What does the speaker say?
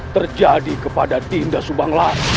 terjadi kepada dinda subanglarang